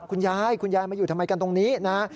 คุณยายคุณยายมาอยู่ทำไมกันตรงนี้นะ